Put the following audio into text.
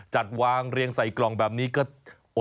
จัดวางเรียงใส่กล่องแบบนี้ก็